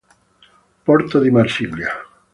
Porto di Marsiglia.